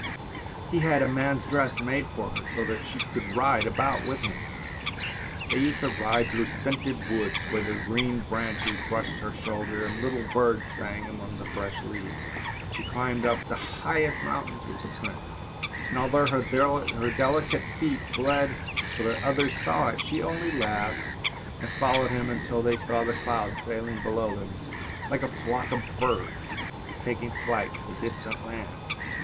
He had a man's dress made for her, so that she could ride about with him. They used to ride through scented woods, where the green branches brushed her shoulders, and little birds sang among the fresh leaves. She climbed up the highest mountains with the prince, and although her delicate feet bled so that others saw it, she only laughed and followed him until they saw the clouds sailing below them like a flock of birds, taking flight to distant lands.